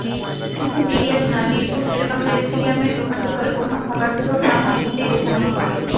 শুধু বিরিয়ানি নয়, মিরপুর শেরেবাংলা স্টেডিয়ামের দোকানগুলোয় অন্য খাবারগুলোর দামও এভাবেই ওঠা-নামা করে।